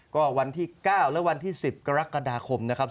ก็วันที่๙และวันที่๑๐กรกฎาคมนะครับ